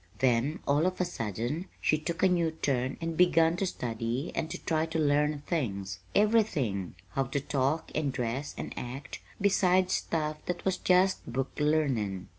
"Then, all of a sudden, she took a new turn and begun to study and to try to learn things everything: how to talk and dress and act, besides stuff that was just book learnin'.